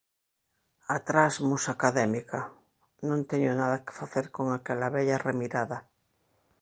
Atrás musa académica! Non teño nada que facer con aquela vella remirada.